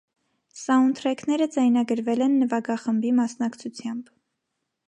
Սաունդթրեքները ձայնագրվել են նվագախմբի մասնակցությամբ։